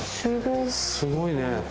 すごいね。